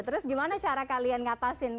terus gimana cara kalian ngatasin